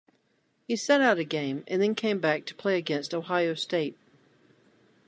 He sat out a game and then came back to play against Ohio State.